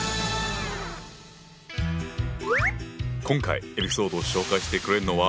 今回エピソードを紹介してくれるのは。